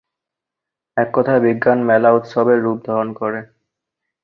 এক কথায় বিজ্ঞান মেলা উৎসবের রূপ ধারণ করে।